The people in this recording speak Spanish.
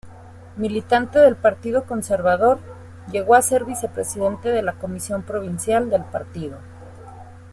Militante del Partido Conservador, llegó a ser vicepresidente de la comisión provincial del partido.